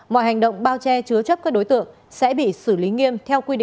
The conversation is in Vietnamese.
mọi hành động bao che chứa chấp các đối tượng sẽ bị xử lý nghiêm